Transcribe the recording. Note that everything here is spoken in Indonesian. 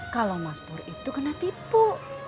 kalau mas pur itu kena tipu